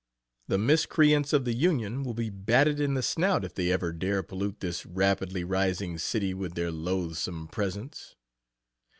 The miscreants of the Union will be batted in the snout if they ever dare pollute this rapidly rising city with their loathsome presence.